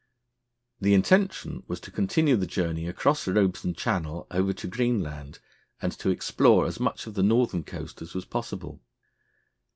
The intention was to continue the journey across Robeson Channel over to Greenland, and to explore as much of the northern coast as was possible.